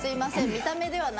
見た目ではなく。